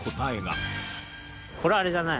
これはあれじゃない？